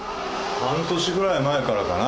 半年ぐらい前からかな。